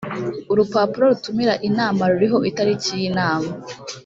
urupapuro rutumira inama ruriho itariki y inama .